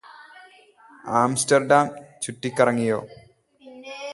Amsterdam ചുറ്റികറങ്ങിയോ